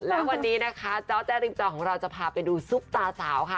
และวันนี้นะคะเจ้าแจริมจอของเราจะพาไปดูซุปตาสาวค่ะ